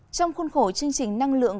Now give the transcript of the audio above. trong khuôn khổ chương trình năng lượng